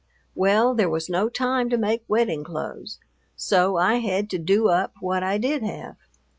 Well, there was no time to make wedding clothes, so I had to "do up" what I did have.